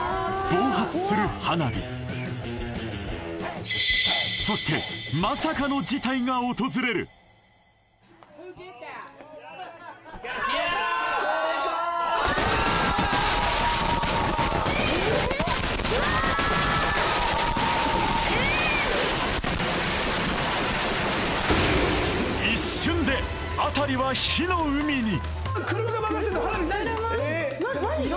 暴発する花火そしてまさかの事態が訪れる一瞬であたりは火の海に！